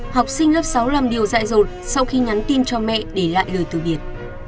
học sinh lớp sáu làm điều dạy dột sau khi nhắn tin cho mẹ để lại lời từ biệt